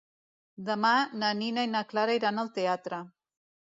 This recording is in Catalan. Demà na Nina i na Clara iran al teatre.